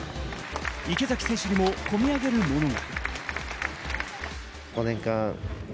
池崎選手にもこみ上げるものが。